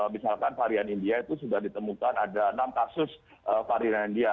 misalkan varian india itu sudah ditemukan ada enam kasus varian india